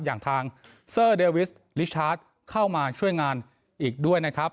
อย่างทางเซอร์เดวิสลิชาร์จเข้ามาช่วยงานอีกด้วยนะครับ